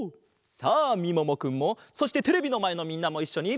さあみももくんもそしてテレビのまえのみんなもいっしょに！